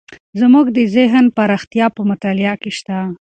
زموږ د ذهن پراختیا په مطالعه کې شته.